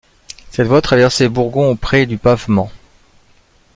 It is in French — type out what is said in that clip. Cette voie traversait Bourgon au pré du Pavement.